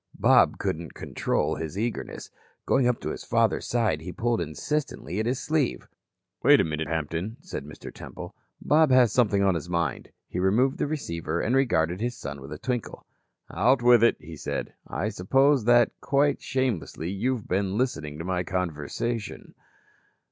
Bob couldn't control his eagerness. Going up to his father's side, he pulled insistently at his sleeve. "Wait a minute, Hampton," said Mr. Temple. "Bob has something on his mind." He removed the receiver and regarded his son with a twinkle. "Out with it," he said. "I suppose that quite shamelessly you've been listening to my conversation."